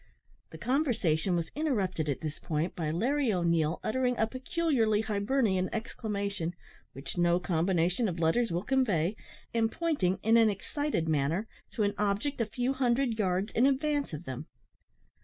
The conversation was interrupted at this point by Larry O'Neil uttering a peculiarly Hibernian exclamation, (which no combination of letters will convey,) and pointing in an excited manner to an object a few hundred yards in advance of them.